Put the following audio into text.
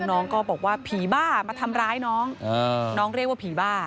น้องก็บอกว่าผีบ้ามาทำร้ายน้องน้องเรียกว่าผีบ้า